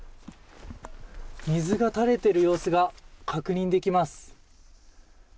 水が垂れている様子が確認できます。